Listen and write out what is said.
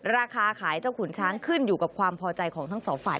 ราคาขายเจ้าขุนช้างขึ้นอยู่กับความพอใจของทั้งสองฝ่าย